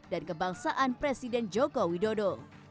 dan kebangsaan presiden jokowi dodo